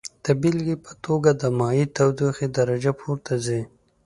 د بیلګې په توګه د مایع تودوخې درجه پورته ځي.